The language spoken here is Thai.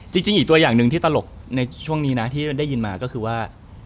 จริงอีกตัวอย่างหนึ่งที่ตลกในช่วงนี้นะที่ได้ยินมาก็คือว่า